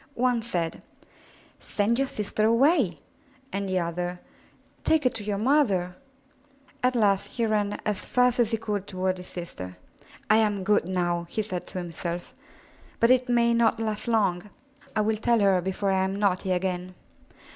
One said, *'Send your sister away," and the other, *Take her to your mother/* At last he ran as fast as he could toward his sister. "I am good now," he said to himself, *'but it may not last long. I will tell her before I am naughty again."